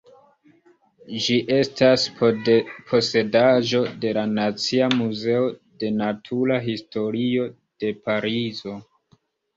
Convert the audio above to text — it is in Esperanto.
Ĝi estas posedaĵo de la Nacia Muzeo de Natura Historio de Parizo.